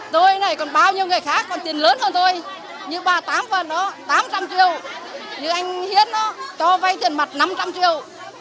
tôi này còn bao nhiêu người khác còn tiền lớn hơn thôi như bà tám phần đó tám trăm linh triệu như anh hiến đó cho vay tiền mặt năm trăm linh triệu